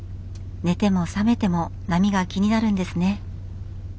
寝ても覚めても波が気になるんですね。